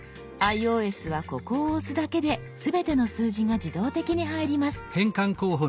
ｉＯＳはここを押すだけで全ての数字が自動的に入ります。